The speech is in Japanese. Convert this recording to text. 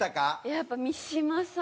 やっぱ三島さん。